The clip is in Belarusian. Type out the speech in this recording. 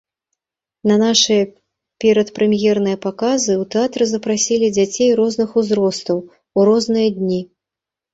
На нашыя перадпрэм'ерныя паказы ў тэатр запрасілі дзяцей розных узростаў, у розныя дні.